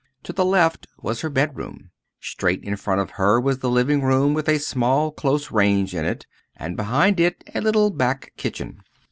To the left was her bedroom. Straight in front of her was the living room with a small close range in it, and behind it a little back kitchen.